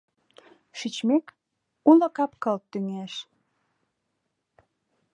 — Шичмек, уло кап-кыл тӱҥеш.